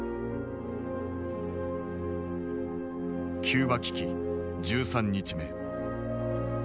キューバ危機１３日目。